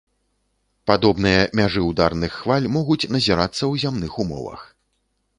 Падобныя мяжы ўдарных хваль могуць назірацца ў зямных умовах.